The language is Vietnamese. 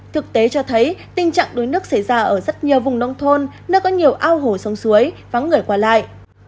thực tế cho thấy tình trạng đuối nước xảy ra ở rất nhiều vùng nông thôn nơi có nhiều ao hồ sông suối vắng người qua lại